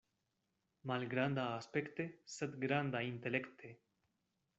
Malgranda aspekte, sed granda intelekte.